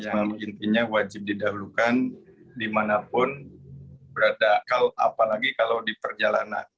yang intinya wajib didahulukan dimanapun berada apalagi kalau di perjalanan